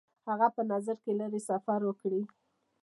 هغه په نظر کې لري سفر وکړي.